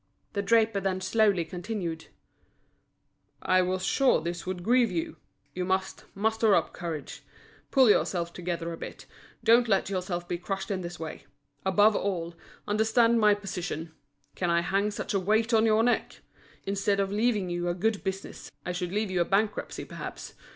The draper then slowly continued: "I was sure this would grieve you. You must muster up courage. Pull yourself together a bit, don't let yourself be crushed in this way. Above all, understand my position. Can I hang such a weight on your neck? Instead of leaving you a good business, I should leave you a bankruptcy perhaps.